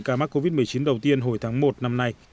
ca mắc covid một mươi chín đầu tiên hồi tháng một năm nay